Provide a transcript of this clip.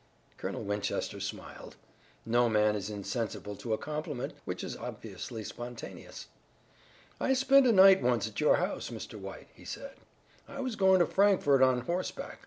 Colonel Winchester smiled. No man is insensible to a compliment which is obviously spontaneous. "I spent a night once at your house, Mr. White," he said. "I was going to Frankfort on horseback.